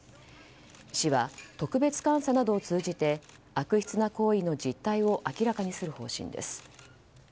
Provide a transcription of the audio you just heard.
市は特別監査などを通じて悪質な行為の実態を明らかにする方針です。